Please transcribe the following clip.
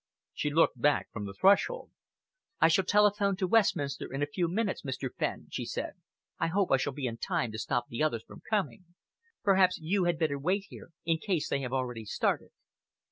She looked back from the threshold. "I shall telephone to Westminster in a few minutes, Mr. Fenn," she said. "I hope I shall be in time to stop the others from coming. Perhaps you had better wait here, in case they have already started."